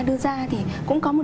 đưa ra thì cũng có một